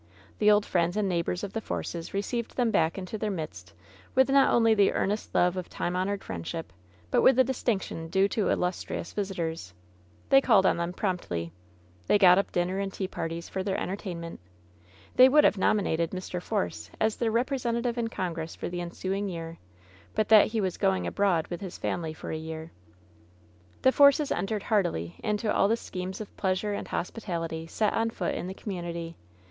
The old friends and neighbors of the Forces received them back into their midst with not only the earnest 158 LOVE'S BITTEREST CUP love of time honored f riendship, but with the distinction due to illustrious visitors. They called on them promptly. They got up dinner and tea parties for their enter tainment. They would have nominated Mr. Force as their repre sentative in Congress for the ensuing year, but that he was going abroad with his family for a year. The Forces entered heartily into all the schemes of pleasure and hospitality set on foot in the community.